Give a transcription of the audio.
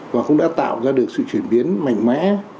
và cũng đã tạo ra được sự chuyển biến mạnh mẽ